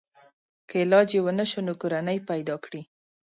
که علاج یې ونشو نو کورنۍ پیدا کړي.